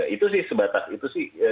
itu sih sebatas itu sih